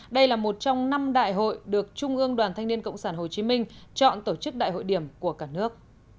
đây là một trong năm đại hội được trung ương đoàn thanh niên cộng sản hồ chí minh chọn tổ chức đại hội điểm của cả nước